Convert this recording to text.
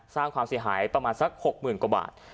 สร้างความเสียหายประมาณสัก๖๐๐๐กว่าบาท